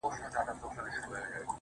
ستا خيال وفكر او يو څو خـــبـــري.